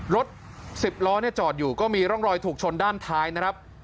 รถ๑๐ล้อจอดอยู่ก็มีร่องรอยถูกชนด้านท้ายนะครับ